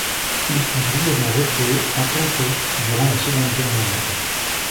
Il fut brièvement recréé en tant que durant la Seconde Guerre mondiale.